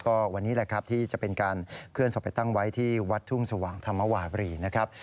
ก็วันนี้แหละครับที่จะเป็นการเคลื่อนศพไปตั้งไว้ที่วัดทุ่งสว่างธรรมวาบรีนะครับ